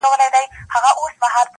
په هغې باندي چا کوډي کړي.